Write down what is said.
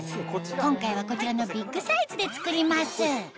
今回はこちらのビッグサイズで作ります